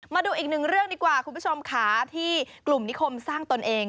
มาดูอีกหนึ่งเรื่องดีกว่าคุณผู้ชมค่ะที่กลุ่มนิคมสร้างตนเอง